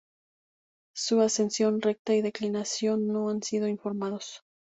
Su ascensión recta y declinación no han sido informados.